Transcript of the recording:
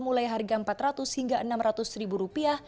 mulai harga empat ratus hingga enam ratus ribu rupiah